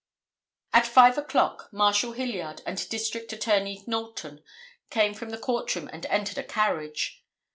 At 5 o'clock Marshal Hilliard and District Attorney Knowlton came from the court room and entered a carriage.